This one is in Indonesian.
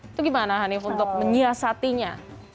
itu gimana hanif untuk menyiasatinya